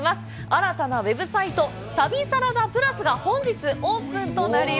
新たなウェブサイト「旅サラダＰＬＵＳ」が本日オープン！